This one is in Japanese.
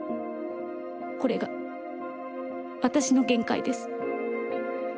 これが私の限界です。